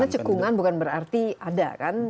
karena cekungan bukan berarti ada kan